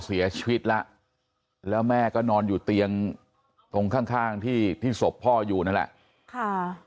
เสียชีวิตละแล้วแม่ก็นอนอยู่เตียงค่างที่ศพพ่ออยู่นั่นละ